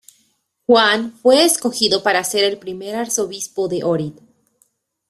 Juan fue escogido para ser el primer arzobispo de Ohrid.